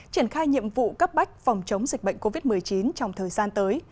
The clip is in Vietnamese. triển khai nhiệm vụ cấp bách phòng chống dịch bệnh covid một mươi chín trong thời gian tới